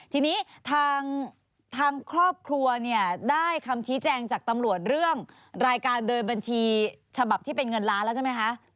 ทีนี้ทางครอบครัวเนี่ยได้คำชี้แจงจากตำรวจเรื่องรายการเดินบัญชีฉบับที่เป็นเงินล้านแล้วใช่ไหมคะ